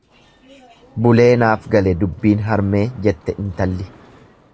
Bulee naaf gale dubbiin harmee jette intalli.